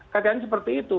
kajiannya seperti itu